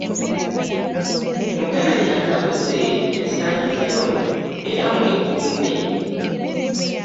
Mukenenya atabuse ensangi zino era mwekuume.